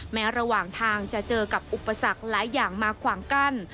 ระหว่างทางจะเจอกับอุปสรรคหลายอย่างมาขวางกั้น